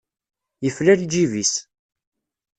Yefla lǧib-is.